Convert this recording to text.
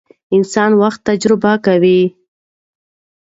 انسان وخت تجربه کوي.